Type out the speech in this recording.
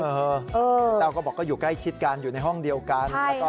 แต้วก็บอกก็อยู่ใกล้ชิดกันอยู่ในห้องเดียวกัน